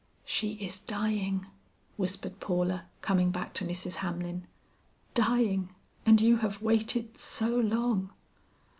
"She is dying," whispered Paula, coming back to Mrs. Hamlin; "dying, and you have waited so long!"